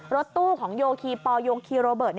รถตู้ของโยคีปอลโยคีโรเบิร์ต